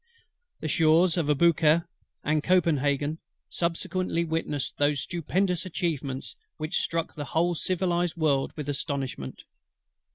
The shores of ABOUKIR and COPENHAGEN subsequently witnessed those stupendous achievements which struck the whole civilized world with astonishment.